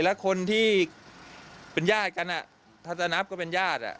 แล้วคนที่เป็นญาติกันถ้าจะนับก็เป็นญาติ